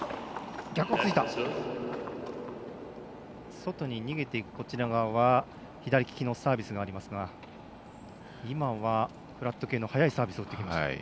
外に逃げていくこちらは左利きのサービスがありますが今は、フラット系の速いサービスを打ってきました。